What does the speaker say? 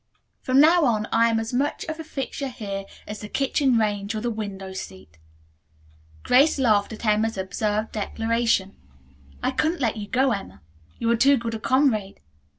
From now on I am as much of a fixture here as the kitchen range or the window seat." Grace laughed at Emma's absurd declaration. "I couldn't let you go, Emma. You are too good a comrade.